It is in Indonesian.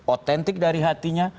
otentik dari hatinya